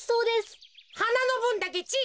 はなのぶんだけちぃ